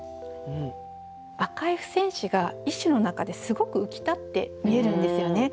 「あかい付箋紙」が一首の中ですごく浮き立って見えるんですよね。